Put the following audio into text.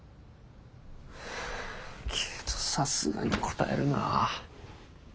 けどさすがにこたえるな。